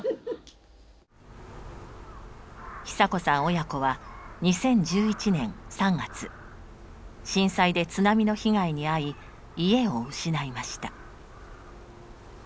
親子は２０１１年３月震災で津波の被害に遭い家を失いました。